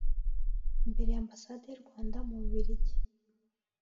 imbere y’ ambassade y’u Rwanda mu Bubiligi